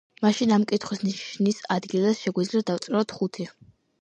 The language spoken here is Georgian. მაშინ ამ კითხვის ნიშნის ადგილას შეგვიძლია დავწეროთ ხუთი.